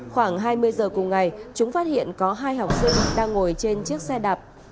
khoảng hai mươi giờ cùng ngày chúng phát hiện có hai học sinh đang ngồi trên chiếc xe đạp